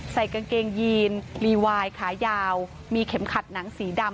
ใส่กางเกงยีนลีวายขายาวมีเข็มขัดหนังสีดำ